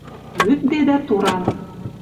лӱдде дӓ туран;